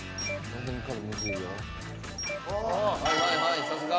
はいはいはいさすが。